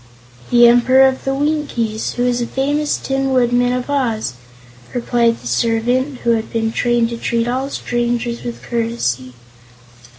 "The Emperor of the Winkies, who is the famous Tin Woodman of Oz," replied the servant, who had been trained to treat all strangers with courtesy.